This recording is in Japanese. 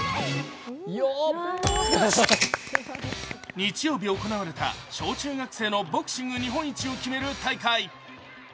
日曜日行われた小中学生のボクシング日本一を決める大会。